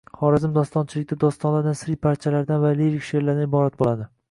Xorazm dostonchiligida dostonlar nasriy parchalardan va lirik she'rlardan iborat bo'ladi